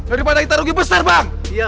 daripada kita rugi besar bang